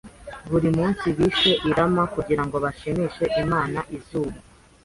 Buri munsi bishe llama kugirango bashimishe Imana izuba.